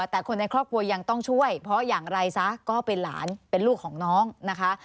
แต่คนในครอบครัวยังต้องช่วยเพราะอย่างไรซะก็เป็นหลานเป็นลูกของน้องนะคะ